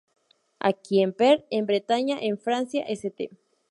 A Quimper en Bretaña en Francia, St.